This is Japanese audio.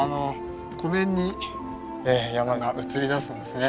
湖面に山が映り出すんですね。